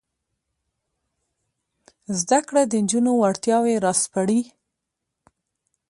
زده کړه د نجونو وړتیاوې راسپړي.